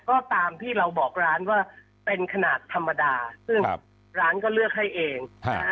ก็ตามที่เราบอกร้านว่าเป็นขนาดธรรมดาซึ่งร้านก็เลือกให้เอง